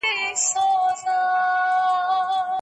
لومړی دا زما انتخاب نه و.